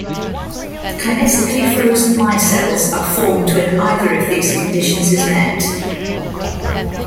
Kinetically frozen micelles are formed when either of these conditions is met.